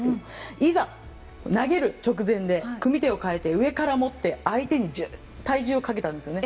いざ、投げる直前で組み手を変えて、上から持って相手に体重をかけたんですね。